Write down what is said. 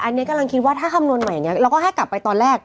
อันนี้กำลังคิดว่าถ้าคำนวณใหม่อย่างนี้เราก็ให้กลับไปตอนแรก